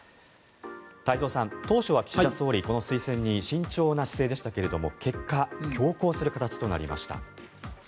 太蔵さん、当初は岸田総理この推薦に慎重な姿勢でしたが結果、強行する形となりました。